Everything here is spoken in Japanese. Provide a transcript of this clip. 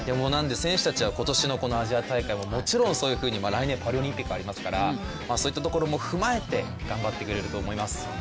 選手たちは今年のアジア大会をもちろんそのように、来年パリオリンピックもありますからそういったところも踏まえて頑張ってくれると思います。